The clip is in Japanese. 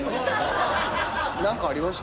何かありました？